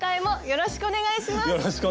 よろしくお願いします。